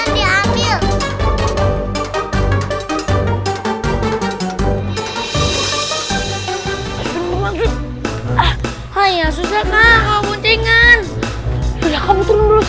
ini kayak siapa ini ayah saya tengah berhenti sekarang where peoples